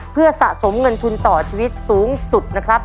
เพื่อสะสมเงินทุนต่อชีวิตสูงสุดนะครับ